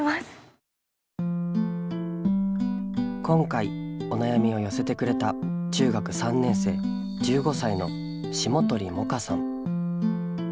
今回お悩みを寄せてくれた中学３年生１５歳の霜鳥百花さん。